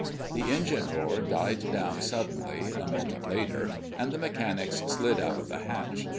The engine roar died down suddenly, a moment later, and the mechanics slid out of the hatch.